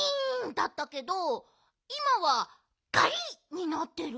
だったけどいまは「ガリ！」になってる。